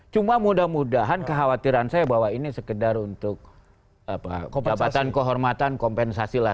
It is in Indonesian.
cuma mudah mudahan kekhawatiran saya bahwa ini sekedar untuk jabatan kehormatan kompensasi lah